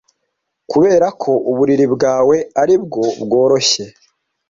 kuberako uburiri bwawe aribwo bworoshye